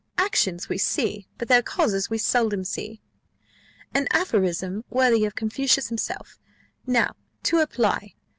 "Actions we see, but their causes we seldom see an aphorism worthy of Confucius himself: now to apply.